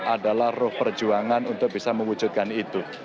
adalah roh perjuangan untuk bisa mewujudkan itu